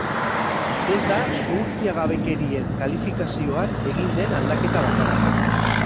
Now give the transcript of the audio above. Ez da zuhurtziagabekerien kalifikazioan egin den aldaketa bakarra.